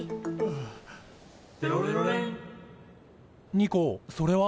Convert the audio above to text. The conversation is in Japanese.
ニコそれは？